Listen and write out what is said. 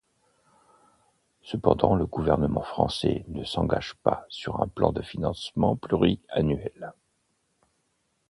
Cependant le gouvernement français ne s’engage pas sur un plan de financement pluriannuel.